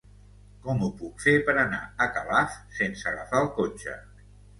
Com ho puc fer per anar a Calaf sense agafar el cotxe?